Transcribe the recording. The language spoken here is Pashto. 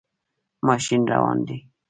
ماشین روان دی